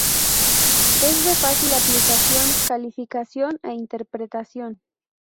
Es de fácil aplicación, calificación e interpretación.